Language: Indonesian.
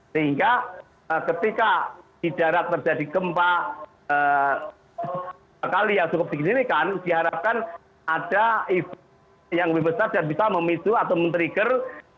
sehingga ketika di darat terjadi gempa sekali yang cukup tinggi ini kan diharapkan ada event yang lebih besar yang bisa memisu atau men trigger